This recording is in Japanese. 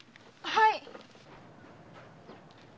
はい。